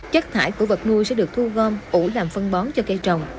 chất thải của vật nuôi sẽ được thu gom ủ làm phân bón cho cây trồng